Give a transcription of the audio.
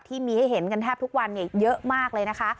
ที่มีให้เห็นกันแทบทุกวันเยอะมากเลยนะคะ